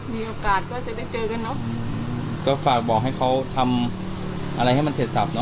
มีโอกาสก็จะได้เจอกันเนอะก็ฝากบอกให้เขาทำอะไรให้มันเสร็จสับเนา